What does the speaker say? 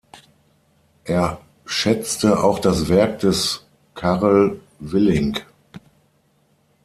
Er schätzte auch das Werk des Carel Willink.